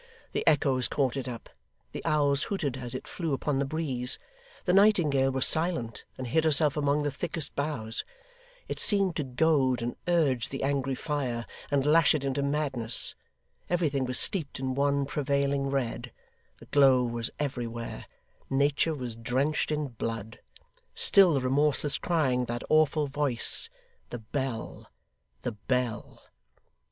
The echoes caught it up, the owls hooted as it flew upon the breeze, the nightingale was silent and hid herself among the thickest boughs: it seemed to goad and urge the angry fire, and lash it into madness; everything was steeped in one prevailing red; the glow was everywhere; nature was drenched in blood: still the remorseless crying of that awful voice the Bell, the Bell!